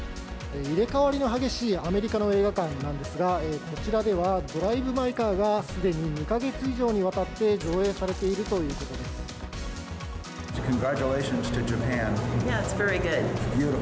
入れ代わりの激しいアメリカの映画館なんですが、こちらではドライブ・マイ・カーは、すでに２か月以上にわたって上映されているということです。